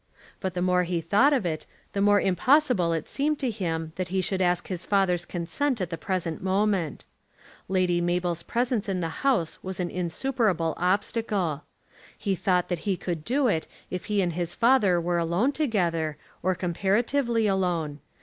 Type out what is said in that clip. But the more he thought of it, the more impossible it seemed to him that he should ask his father's consent at the present moment. Lady Mabel's presence in the house was an insuperable obstacle. He thought that he could do it if he and his father were alone together, or comparatively alone.